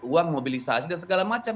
uang mobilisasi dan segala macam